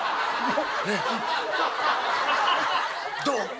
どう？